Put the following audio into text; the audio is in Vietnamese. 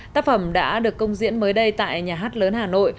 tác phẩm đã được công diễn mới đây tại nhà hát lớn hà nội